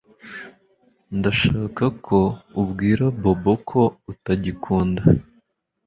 Ndashaka ko ubwira Bobo ko utagikunda